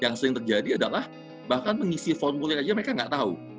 yang sering terjadi adalah bahkan mengisi formulir aja mereka nggak tahu